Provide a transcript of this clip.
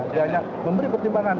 dia hanya memberi pertimbangan